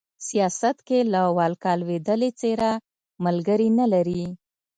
سياست کې له واکه لوېدلې څېره ملگري نه لري